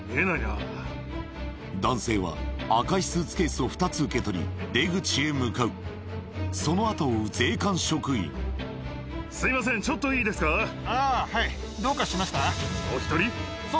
男性は赤いスーツケースを２つ受け取り出口へ向かうその後を追う税関職員あぁはい。